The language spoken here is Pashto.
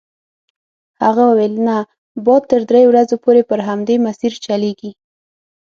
هغه وویل نه باد تر دریو ورځو پورې پر همدې مسیر چلیږي.